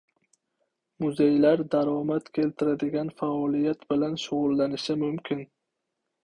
Muzeylar daromad keltiradigan faoliyat bilan shug‘ullanishi mumkin